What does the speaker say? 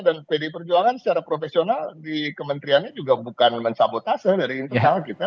dan pd perjuangan secara profesional di kementeriannya juga mencabotase dari internal kita